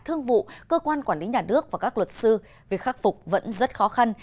thương vụ cơ quan quản lý nhà nước và các luật sư việc khắc phục vẫn rất khó khăn